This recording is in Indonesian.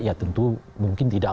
ya tentu mungkin tidak